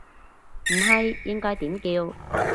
唔係應該點叫